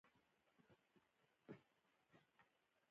عامه پروژو تطبیق او خلاقیت ته اړ دی.